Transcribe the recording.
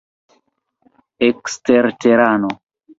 eksterterano